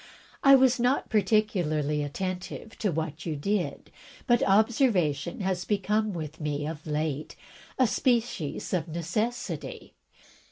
I was not particularly attentive to what you did; but observation has become with me, of late, a species of necessity.